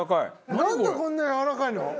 なんでこんなやわらかいの？